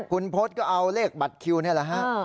คุณพศก็เอาเลขบัตรคิวนี่แหละฮะ